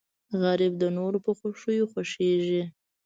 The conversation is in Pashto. غریب د نورو په خوښیو خوښېږي